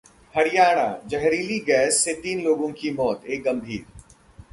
हरियाणाः जहरीली गैस से तीन लोगों की मौत, एक गंभीर